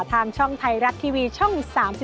ทางช่องไทยรัฐทีวีช่อง๓๒